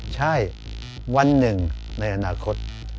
ใช่วันหนึ่งในอนาคต